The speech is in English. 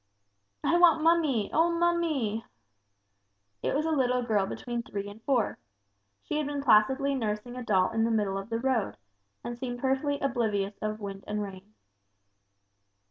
"I want mummy oh, mummy!" It was a little girl between three and four. She had been placidly nursing a doll in the middle of the road, and seemed perfectly oblivious of wind and rain.